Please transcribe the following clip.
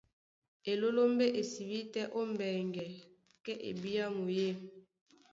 Elólómbé é sibí tɛ́ ó mbɛŋgɛ, kɛ́ ebyámu yê.